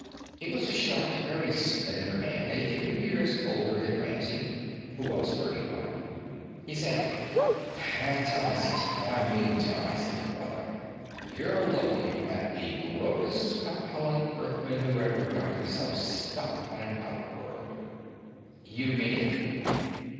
He was a short, very slender man a few years older than Ramsey, who was thirty one. He said: "That ties it. And I mean ties it, brother. You're looking at the brokest Capellan earthman who ever got himself stuck on an outworld." "You mean it?"